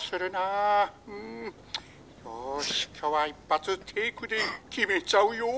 よし今日は一発テイクで決めちゃうよ。